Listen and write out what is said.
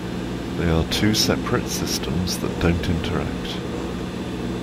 They are two separate systems that don't interact.